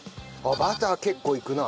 バター結構いくな。